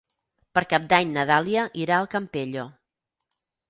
Per Cap d'Any na Dàlia irà al Campello.